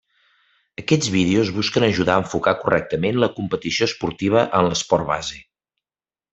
Aquests vídeos busquen ajudar a enfocar correctament la competició esportiva en l’esport base.